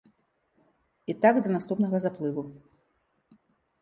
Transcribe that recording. І так да наступнага заплыву.